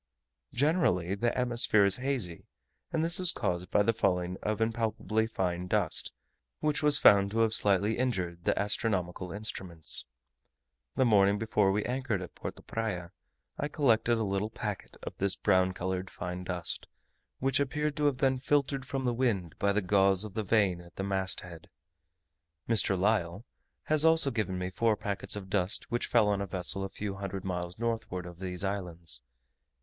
Generally the atmosphere is hazy; and this is caused by the falling of impalpably fine dust, which was found to have slightly injured the astronomical instruments. The morning before we anchored at Porto Praya, I collected a little packet of this brown coloured fine dust, which appeared to have been filtered from the wind by the gauze of the vane at the mast head. Mr. Lyell has also given me four packets of dust which fell on a vessel a few hundred miles northward of these islands.